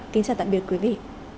kính chào tạm biệt quý vị